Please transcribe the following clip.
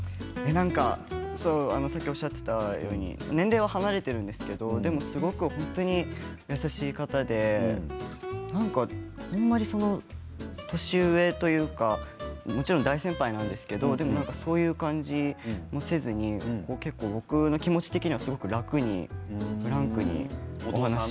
さっきおっしゃっていたように年齢は離れているんですけどすごく優しい方であまり年上というかもちろん大先輩なんですけどそういう感じがせずに僕の気持ち的には、すごく楽にフランクにお話を。